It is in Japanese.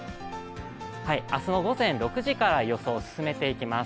明日の午前６時から予想を進めていきます。